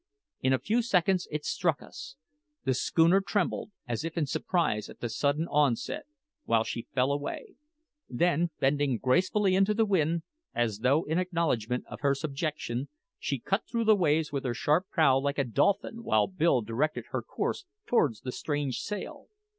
In a few seconds it struck us. The schooner trembled, as if in surprise at the sudden onset, while she fell away; then, bending gracefully to the wind, as though in acknowledgment of her subjection, she cut through the waves with her sharp prow like a dolphin, while Bill directed her course towards the strange sail.